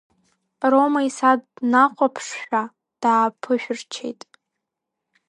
Рома исааҭ днахәаԥшшәа дааԥышәырччеит.